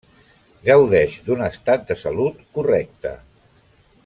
Gaudeix d'un estat de salut correcte.